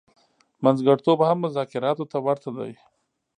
منځګړتوب هم مذاکراتو ته ورته دی.